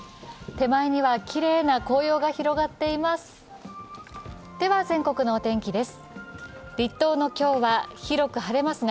手前にはきれいな紅葉が広がっています。